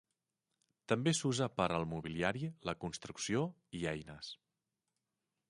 També s'usa per al mobiliari, la construcció i eines.